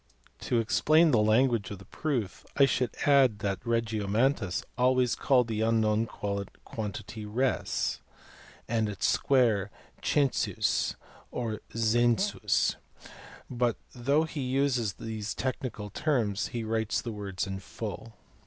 To explain the language of the proof I should add that Regiomontanus always calls the unknown quantity res, and its square census or zensus , but though he uses these technical terms he writes the words in full.